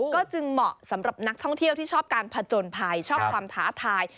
ก็จึงเหมาะสำหรับนักท่องเที่ยวที่ชอบการผจญภัยชอบความท้าทาย